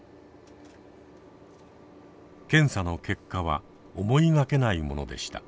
検査の結果は思いがけないものでした。